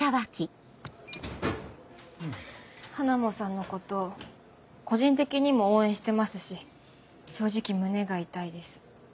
ハナモさんのこと個人的にも応援してますし正直胸が痛いです。